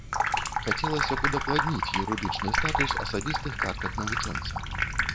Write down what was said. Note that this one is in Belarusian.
Хацелася б удакладніць юрыдычны статус асабістых картак навучэнца.